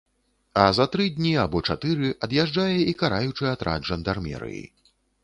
А за тры дні або чатыры ад'язджае і караючы атрад жандармерыі.